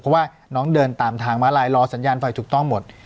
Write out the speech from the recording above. เพราะว่าน้องเดินตามทางม้าลายรอสัญญาณไฟถูกต้องหมด